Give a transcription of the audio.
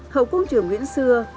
hậu cung triều nguyễn sưu